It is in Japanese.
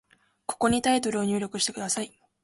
ここにタイトルを入力してください。